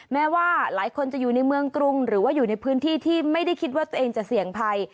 แม้ว่าหลายคนจะอยู่ในเมืองกรุงหรือว่าอยู่ในพื้นที่ที่ไม่ได้คิดว่าตัวเองจะเสี่ยงภัย